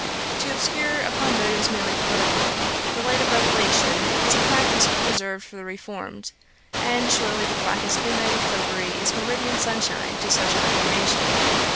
To obscure, upon motives merely political, the light of revelation, is a practice reserved for the reformed; and, surely, the blackest midnight of popery is meridian sunshine to such a reformation.